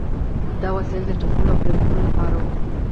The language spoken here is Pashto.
دا وسایل د ټکولو او پرې کولو لپاره وو.